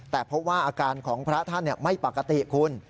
แต่พบว่าอาการของพระท่านไม่ปกติคุณ